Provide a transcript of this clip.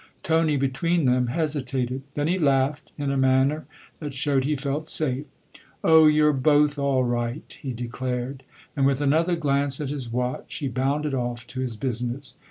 Tony, between them, hesitated ; then he laughed in a manner that showed he felt safe. "Oh, you're both all right!" he declared; and with another glance at his watch he bounded off to his business.